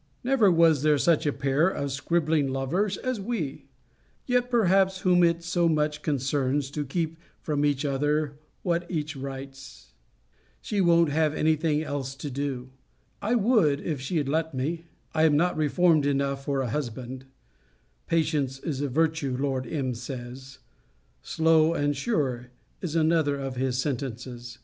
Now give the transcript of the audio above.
] Never was there such a pair of scribbling lovers as we; yet perhaps whom it so much concerns to keep from each other what each writes. She won't have any thing else to do. I would, if she'd let me. I am not reformed enough for a husband. Patience is a virtue, Lord M. says. Slow and sure, is another of his sentences.